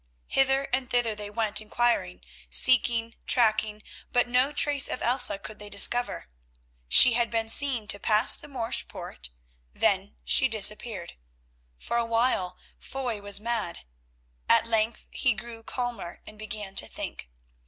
Hither and thither they went inquiring, seeking, tracking, but no trace of Elsa could they discover. She had been seen to pass the Morsch poort; then she disappeared. For a while Foy was mad. At length he grew calmer and began to think.